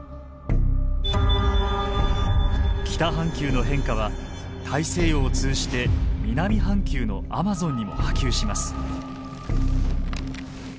北半球の変化は大西洋を通じて南半球のアマゾンにも波及します。